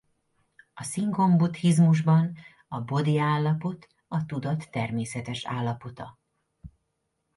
A Singon buddhizmusban a bodhi állapot a tudat természetes állapota.